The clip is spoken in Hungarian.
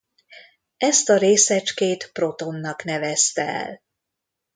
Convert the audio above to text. Ezt a részecskét protonnak nevezte el.